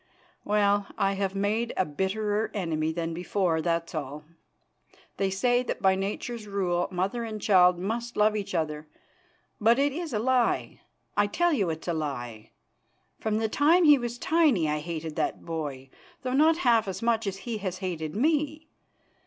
Well, I have made a bitterer enemy than before, that's all. They say that by Nature's rule mother and child must love each other, but it is a lie. I tell you it's a lie. From the time he was tiny I hated that boy, though not half as much as he has hated me.